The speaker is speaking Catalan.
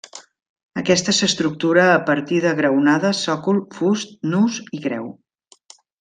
Aquesta s'estructura a partir de graonada, sòcol, fust, nus i creu.